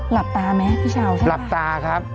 หลับตาไหมพี่เช้าใช่ไหมหลับตาครับ